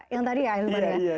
yang tadi ya ahilman ya